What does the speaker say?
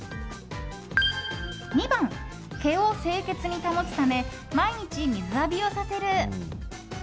２番、毛を清潔に保つため毎日水浴びをさせる。